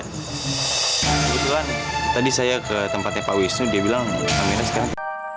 kebetulan tadi saya ke tempatnya pak wisnu dia bilang kamera sekarang